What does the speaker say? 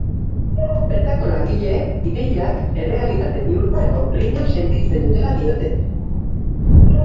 Bertako langileek ideiak errealitate bihurtzeko grina sentitzen dutela diote.